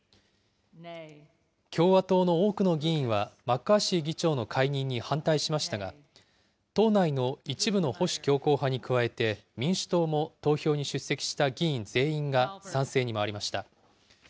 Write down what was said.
共和党の多くの議員はマッカーシー議長の解任に反対しましたが、党内の一部の保守強硬派に加えて民主党も投票に出席した議員全員が賛成に回りました。